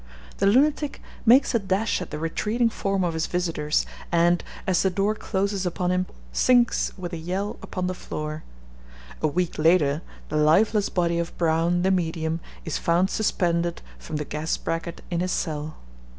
The lunatic makes a dash at the retreating form of his visitors, and, as the door closes upon him, sinks with a yell upon the floor. A week later the lifeless body of Brown, the medium, is found suspended from the gas bracket in his cell.